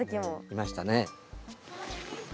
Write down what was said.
いましたね。